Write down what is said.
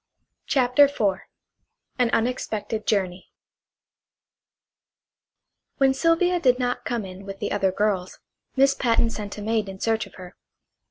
CHAPTER IV AN UNEXPECTED JOURNEY When Sylvia did not come in with the other girls Miss Patten sent a maid in search of her.